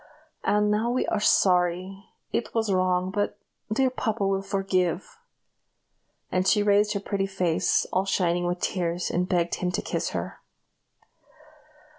"And now we are sorry; it was wrong; but the dear papa will forgive!" and she raised her pretty face, all shining with tears, and begged him to kiss her.